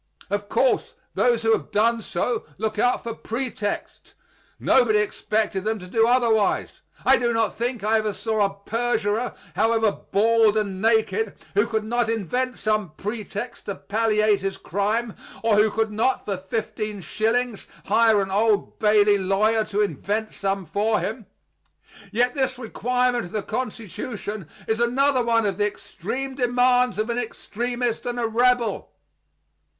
Of course, those who have done so look out for pretexts. Nobody expected them to do otherwise. I do not think I ever saw a perjurer, however bald and naked, who could not invent some pretext to palliate his crime, or who could not, for fifteen shillings, hire an Old Bailey lawyer to invent some for him. Yet this requirement of the Constitution is another one of the extreme demands of an extremist and a rebel.